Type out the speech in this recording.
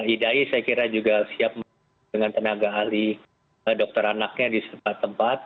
idai saya kira juga siap dengan tenaga ahli dokter anaknya di tempat tempat